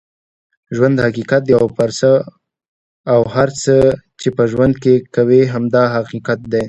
ژوند حقیقت دی اوهر څه چې په ژوند کې کوې هم دا حقیقت دی